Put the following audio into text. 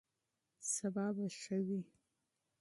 سبا به ښه وي.